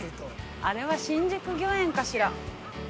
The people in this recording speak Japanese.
あれは新宿御苑かしら。